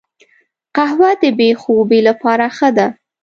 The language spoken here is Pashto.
قهوه د بې خوبي لپاره ښه ده